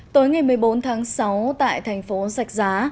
tối ngày một mươi bốn tháng sáu tại thành phố sạch giá